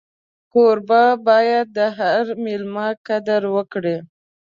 کوربه باید د هر مېلمه قدر وکړي.